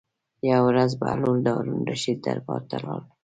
یوه ورځ بهلول د هارون الرشید دربار ته لاړ.